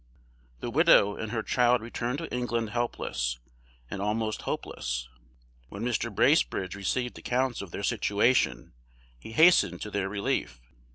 The widow and her child returned to England helpless, and almost hopeless. When Mr. Bracebridge received accounts of their situation, he hastened to their relief.